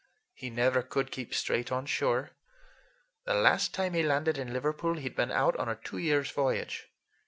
He never could keep straight on shore. The last time he landed in Liverpool he'd been out on a two years' voyage.